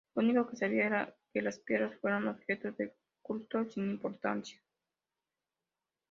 Lo único que sabía era que las piedras fueron "objetos de culto" sin importancia.